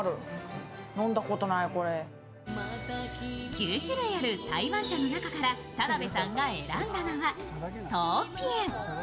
９種類ある台湾茶の中から田辺さんが選んだのは冬片。